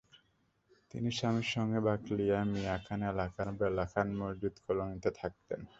তিনি স্বামীর সঙ্গে বাকলিয়ার মিয়া খান এলাকার বেলা খান মসজিদ কলোনিতে থাকতেন।